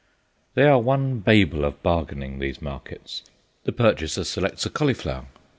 They are one babel of bargaining, these markets. The purchaser selects a cauliflower.